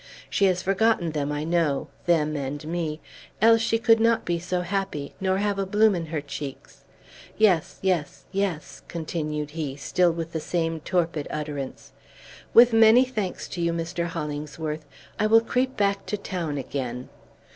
She has forgotten them, I know, them and me, else she could not be so happy, nor have a bloom in her cheeks. Yes yes yes," continued he, still with the same torpid utterance; "with many thanks to you, Mr. Hollingsworth, I will creep back to town again."